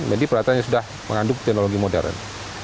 jadi peralatan yang sudah mengandung teknologi modern